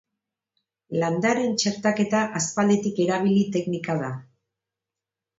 Landareen txertaketa aspalditik erabili teknika da.